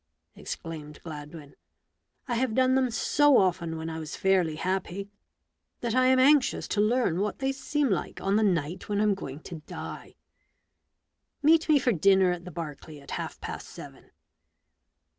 " exclaimed Gladwin. " I have done them so often when I was fairly happy, that I am anxious to learn what they seem like on the night when I'm going to die. Meet me for dinner at the Berkeley at half past seven."